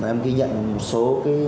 em ghi nhận một số